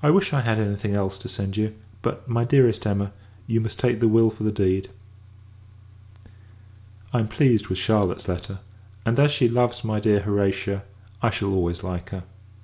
I wish, I had any thing else to send you; but, my dearest Emma, you must take the will for the deed. I am pleased with Charlotte's letter; and, as she loves my dear Horatia, I shall always like her.